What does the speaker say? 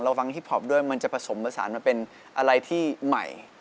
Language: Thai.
ฟังฮิปพอปด้วยมันจะผสมผสานมาเป็นอะไรที่ใหม่